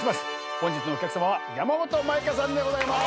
本日のお客さまは山本舞香さんでございます。